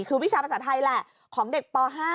คือวิชาภาษาไทยแหละของเด็กป๕